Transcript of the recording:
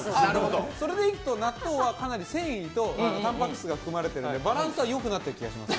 それでいくと納豆は繊維とたんぱく質が含まれているのでバランスは良くなっている気がします。